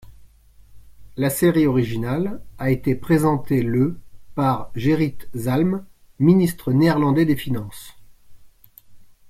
La série originale a été présentée le par Gerrit Zalm, ministre néerlandais des finances.